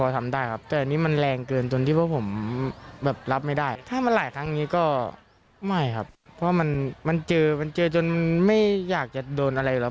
ถ้ามันหลายครั้งนี้ก็ไม่ครับเพราะมันเจอจนไม่อยากจะโดนอะไรหรอก